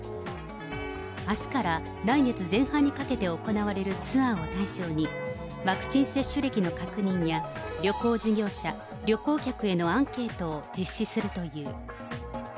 あすから来月前半にかけて行われるツアーを対象に、ワクチン接種歴の確認や、旅行事業者、旅行客へのアンケートを実施するという。